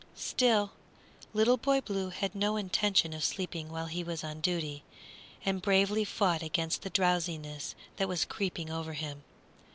Still, Little Boy Blue had no intention of sleeping while he was on duty, and bravely fought against the drowsiness that was creeping over him.